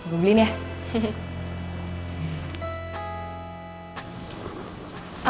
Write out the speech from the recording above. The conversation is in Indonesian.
gue beli nih ya